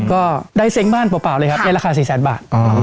ก็ได้เซ้งบ้านเปล่าเลยครับในราคา๔แสนบาท